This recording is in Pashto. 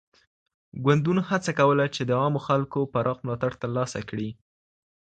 ګوندونو هڅه کوله چي د عامو خلګو پراخ ملاتړ ترلاسه کړي.